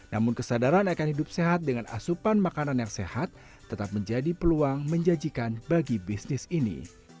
namun kesadaran akan hidup sehat dengan asupan makanan yang sehat tetap menjadi peluang menjanjikan bagi bisnis ini